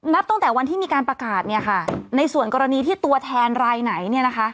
นับตั้งแต่วันที่มีการประกาศเนี่ยค่ะในส่วนกรณีที่ตัวแทนรายไหนเนี่ยนะคะ